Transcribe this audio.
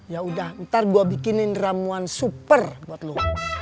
yaudah ntar gua bikinin ramuan super buat lu